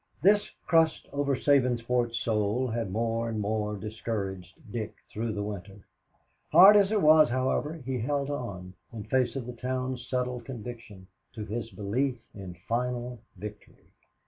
This crust over Sabinsport's soul had more and more discouraged Dick through the winter. Hard as it was, however, he held on, in face of the town's settled conviction, to his belief in final victory.